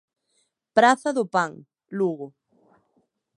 Praza do Pan, Lugo.